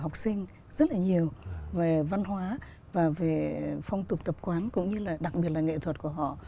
học sinh rất là nhiều về văn hóa và về phong tục tập quán cũng như là đặc biệt là nghệ thuật của họ